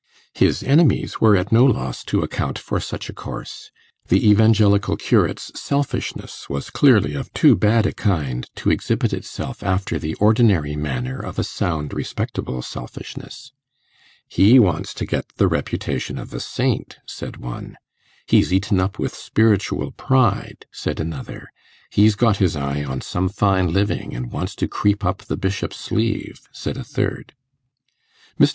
His enemies were at no loss to account for such a course. The Evangelical curate's selfishness was clearly of too bad a kind to exhibit itself after the ordinary manner of a sound, respectable selfishness. 'He wants to get the reputation of a saint,' said one; 'He's eaten up with spiritual pride,' said another; 'He's got his eye on some fine living, and wants to creep up the Bishop's sleeve,' said a third. Mr.